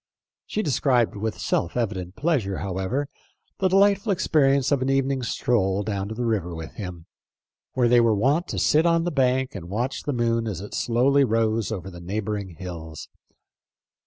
She described with self evident pleasure, however, the delightful experience of an evening's stroll down to the river with him, where they were wont to sit on the bank and watch the moon as it slowly rose over the neighboring hills.